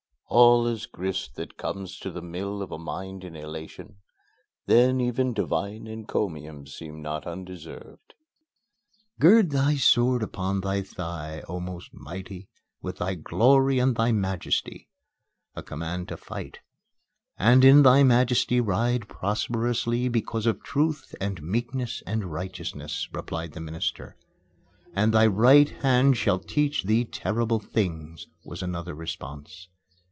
(All is grist that comes to the mill of a mind in elation then even divine encomiums seem not undeserved.) "Gird thy sword upon thy thigh, O most mighty, with thy glory and thy majesty" a command to fight. "And in thy majesty ride prosperously because of truth and meekness and righteousness;" replied the minister. "And thy right hand shall teach thee terrible things," was another response.